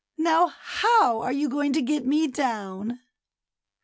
Now, how are you going to get me down?"